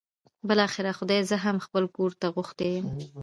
بالاخره خدای زه هم خپل کور ته غوښتی یم.